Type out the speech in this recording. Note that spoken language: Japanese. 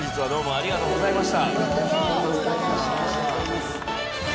・ありがとうございます